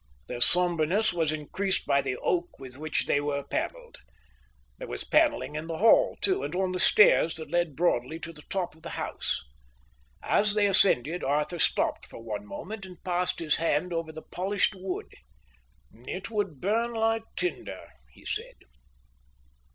Their sombreness was increased by the oak with which they were panelled. There was panelling in the hall too, and on the stairs that led broadly to the top of the house. As they ascended, Arthur stopped for one moment and passed his hand over the polished wood. "It would burn like tinder," he said.